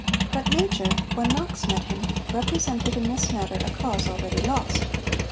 But Major, when Knox met him, represented in this matter a cause already lost.